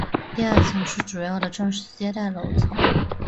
第二层是主要的正式接待楼层。